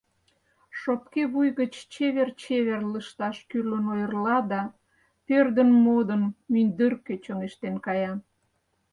Шопке вуй гыч чевер-чевер лышташ кӱрлын ойырла да, пӧрдын-модын, мӱндыркӧ чоҥештен кая.